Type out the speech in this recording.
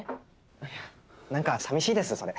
いや何かさみしいですそれ。